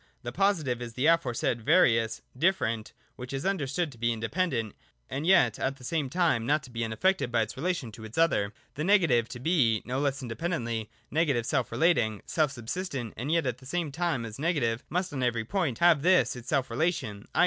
The Positive is the aforesaid various (different) which is understood to be independent, and yet at the same not to be 224 THE DOCTRINE OF ESSENCE. [120, 121. unaffected by its relation to its otlier. The Negative is to be, no less independently, negative self relating, self subsistent, and yet at the same time as Negative must on every point have this its self relation, i.